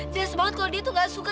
jelas banget kalau dia tuh gak suka